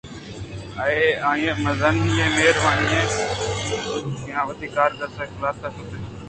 اے آ ئی ءِ مزنی ءُمہربانی اِنت کہ وتی کارگسءُقلات ءَاشتگ ءُمیتگ ءِ مہمان جا ہءَ مہلوک ءِ گندگ ءُاحوالءَ اتکگ